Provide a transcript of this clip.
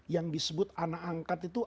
yang disebut anak angkat itu